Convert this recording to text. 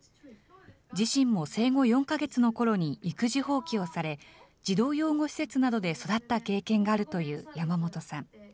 自身も生後４か月のころに育児放棄をされ、児童養護施設などで育った経験があるという山本さん。